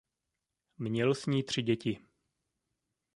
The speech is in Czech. Měl s ní tři děti.